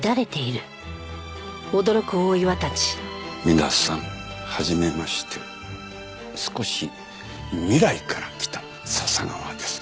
皆さんはじめまして少し未来から来た笹川です。